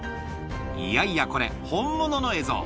いやいや、これ、本物の映像。